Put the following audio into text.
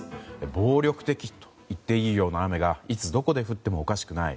暴力的と言っていいような雨がいつどこで降ってもおかしくない。